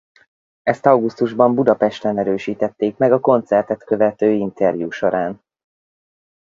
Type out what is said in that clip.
Ezt augusztusban Budapesten erősítették meg a koncertet követő interjú során.